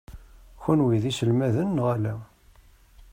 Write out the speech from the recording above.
Kenwi d iselmaden neɣ ala?